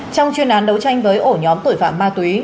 trong chuyên án đấu tranh với ổ nhóm tội phạm ma túy